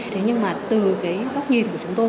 thế nhưng mà từ cái góc nhìn của chúng tôi